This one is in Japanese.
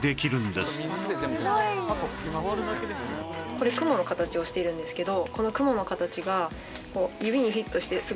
これくもの形をしているんですけど。